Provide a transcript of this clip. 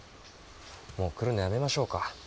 もう来るのやめましょうか？